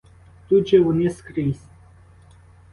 Тут же вони скрізь.